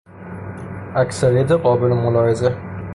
اکثریت قابل ملاحظه